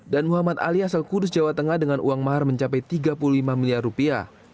dan muhammad ali asal kudus jawa tengah dengan uang mahar mencapai tiga puluh lima miliar rupiah